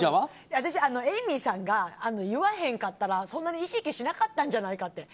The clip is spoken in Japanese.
私エイミーさんが言わへんかったら、そんなに意識しなかったんじゃないかと。